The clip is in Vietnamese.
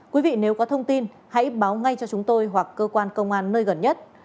quý vị nếu có thông tin hãy báo ngay cho chúng tôi hoặc cơ quan công an nơi gần nhất